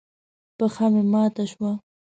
پښه مې ماته شوه.